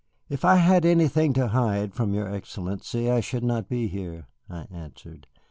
"If I had anything to hide from your Excellency, I should not be here," I answered.